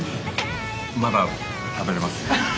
まだ食べれますね。